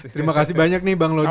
terima kasih banyak nih bang lodi